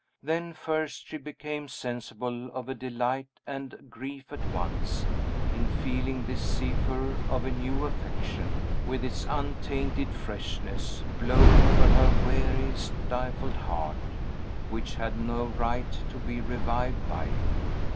Then first she became sensible of a delight and grief at once, in feeling this zephyr of a new affection, with its untainted freshness, blow over her weary, stifled heart, which had no right to be revived by it.